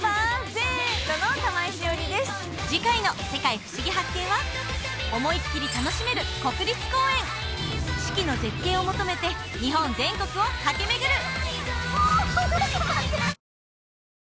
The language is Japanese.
次回の「世界ふしぎ発見！」は思いっきり楽しめる国立公園四季の絶景を求めて日本全国を駆けめぐる！